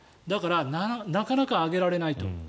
だからなかなか上げられないと。